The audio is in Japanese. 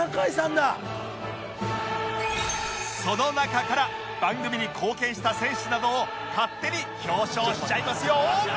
その中から番組に貢献した選手などを勝手に表彰しちゃいますよ！